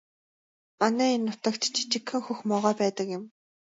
Манай энэ нутагт жижигхэн хөх могой байдаг юм.